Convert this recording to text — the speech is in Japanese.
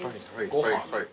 はい。